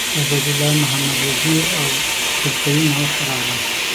عبید الله محمد وزیر اوعبدالقیوم ناوخته راغله .